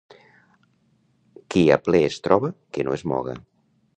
Qui a pler es troba, que no es moga.